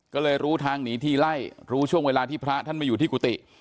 ก็เลยรู้ทางหนีทีไล่รู้ช่วงเวลาที่พระท่านมาอยู่ที่กุฏิ